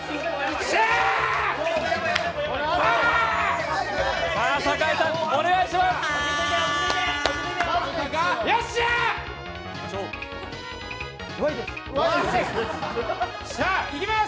よっしゃー、いきます。